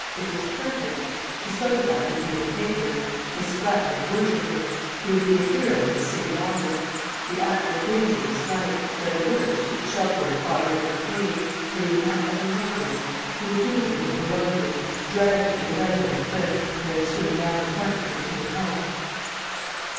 It was perfect. His photograph would be in the papers; Miss Spratt would worship him; he would be a hero in his City office. The actual danger was slight, for at the worst she could shelter in the far end of the cave; but he would not let her know this. He would do the thing heroically drag her to the ledge on the cliff, and then swim round the point to obtain help.